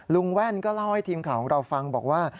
แว่นก็เล่าให้ทีมข่าวของเราฟังบอกว่า